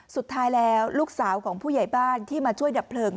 สุดท้ายแล้วลูกสาวของผู้ใหญ่บ้านที่มาช่วยดับเพลิง